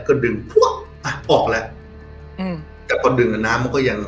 ก็ดึงพวกอ่ะออกแล้วอืมแต่พอดึงอ่ะน้ำมันก็ยัง